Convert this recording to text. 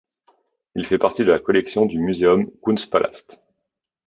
Il fait partie de la collection du Museum Kunstpalast.